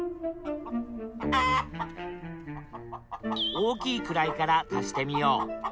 大きい位から足してみよう。